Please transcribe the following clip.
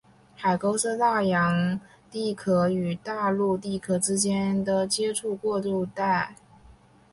海沟是大洋地壳与大陆地壳之间的接触过渡带。